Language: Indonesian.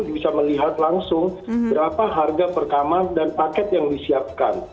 bisa melihat langsung berapa harga perkaman dan paket yang disiapkan